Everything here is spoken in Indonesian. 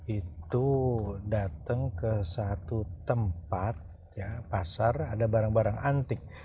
itu datang ke satu tempat pasar ada barang barang antik